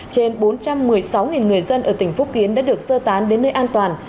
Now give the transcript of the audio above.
trên bốn trăm một mươi sáu người dân ở tỉnh phúc kiến đã được sơ tán đến nơi an toàn